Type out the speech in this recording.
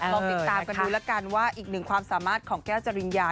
ลองติดตามกันดูแล้วกันว่าอีกหนึ่งความสามารถของแก้วจริญญา